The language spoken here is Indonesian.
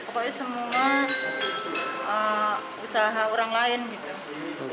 pokoknya semua usaha orang lain gitu